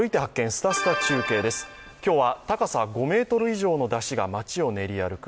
すたすた中継」です今日は高さ５ｍ以上の山車が町を練り歩く